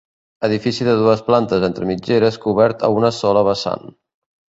Edifici de dues plantes entre mitgeres cobert a una sola vessant.